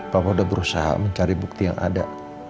papa udah berusaha mencari bukti yang ada